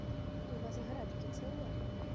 У вас градкі цэлыя?